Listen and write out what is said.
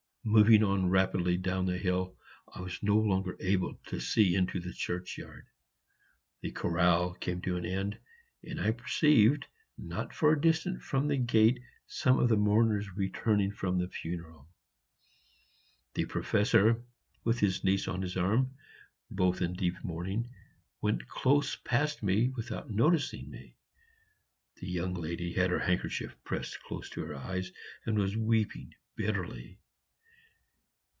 Moving on rapidly down the hill, I was no longer able to see into the churchyard; the chorale came to an end, and I perceived not far distant from the gate some of the mourners returning from the funeral. The Professor, with his niece on his arm, both in deep mourning, went close past me without noticing me. The young lady had her handkerchief pressed close to her eyes, and was weeping bitterly.